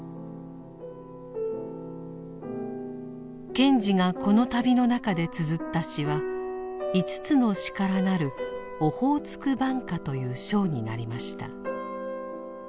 賢治がこの旅の中でつづった詩は５つの詩からなる「オホーツク挽歌」という章になりました。